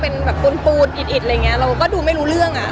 เป็นปูนอิดอะไรอย่างนี้เราก็ดูไม่รู้เรื่อง